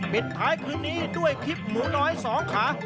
ปิดท้ายคืนนี้ด้วยคลิปหมูน้อย๒ขา